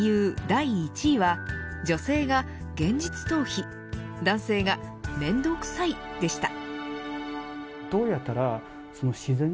第１位は女性が現実逃避男性が面倒くさいでした。